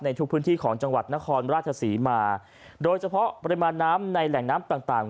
ทุกพื้นที่ของจังหวัดนครราชศรีมาโดยเฉพาะปริมาณน้ำในแหล่งน้ำต่างต่าง